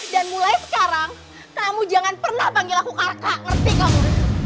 dan mulai sekarang kamu jangan pernah panggil aku kakak ngerti kamu